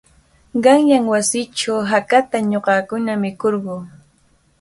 Qanyan wasiichaw hakata ñuqakuna mikurquu.